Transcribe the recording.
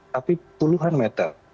tapi puluhan meter